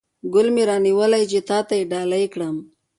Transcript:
ګل مې را نیولی چې تاته یې ډالۍ کړم